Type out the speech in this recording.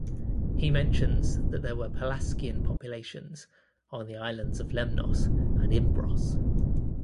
He mentions that there were Pelasgian populations on the islands of Lemnos and Imbros.